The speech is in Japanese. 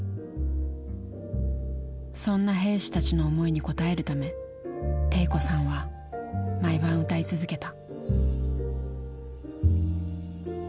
そんな兵士たちの思いに応えるため悌子さんは毎晩歌い続けた。